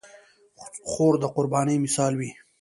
خور د قربانۍ مثال وي.